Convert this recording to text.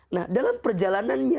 nah dalam perjalanannya